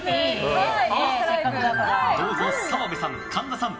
どうぞ澤部さん、神田さん！